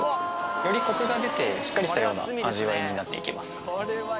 よりコクが出てしっかりしたような味わいになっていきます。